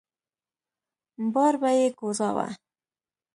بار به يې کوزاوه.